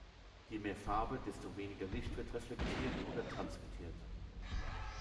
Je mehr Farbe, desto weniger Licht wird reflektiert oder transmittiert.